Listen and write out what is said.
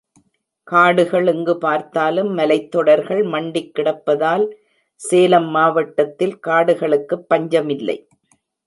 காடுகள் எங்குபார்த்தாலும் மலைத்தொடர்கள் மண்டிக் கிடப்பதால், சேலம் மாவட்டத்தில் காடுகளுக்குப் பஞ்சமில்லை.